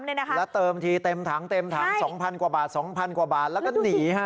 แล้วเติมทีเติมถัง๒พันกว่าบาทแล้วก็หนี